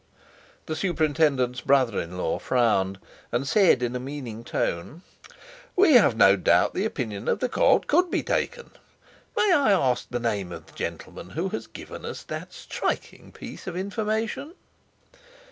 The superintendent's brother in law frowned, and said in a meaning tone: "We have no doubt the opinion of the court could be taken. May I ask the name of the gentleman who has given us that striking piece of information?